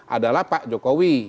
adalah pak jokowi